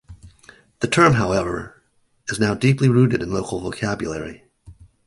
The term, however, is now deeply rooted in local vocabulary.